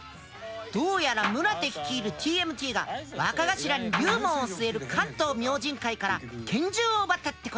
どうやら宗手率いるＴＭＴが若頭に龍門を据える関東明神会から拳銃を奪ったってことだ。